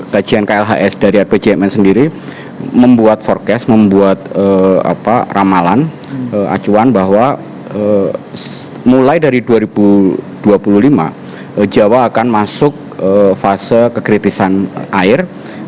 kajian klhs dari rpjmn sendiri membuat forecast membuat ramalan acuan bahwa mulai dari dua ribu dua puluh lima jawa akan masuk fase kekritisan air